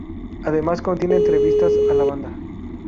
Además contiene entrevistas a la banda.